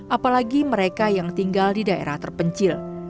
apalagi mereka yang tinggal di daerah terpencil